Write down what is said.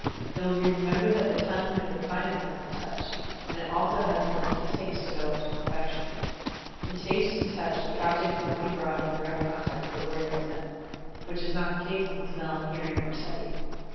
It will be remembered that the tongue has the finest sense of Touch, and it also has the sense of Taste developed to perfection. In Taste and Touch the object must be brought in direct contact with the organ of sense, which is not the case in Smell, Hearing, or Sight.